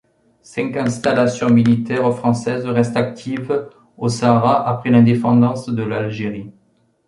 Cinq installations militaires françaises restent actives au Sahara après l'indépendance de l'Algérie.